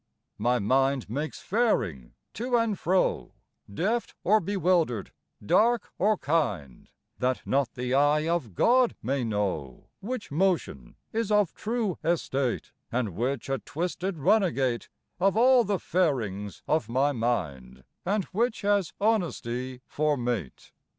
My mind makes faring to and fro, Deft or bewildered, dark or kind, That not the eye of God may know Which motion is of true estate And which a twisted runagate Of all the farings of my mind, And which has honesty for mate.